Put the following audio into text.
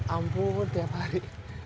ampun tiap hari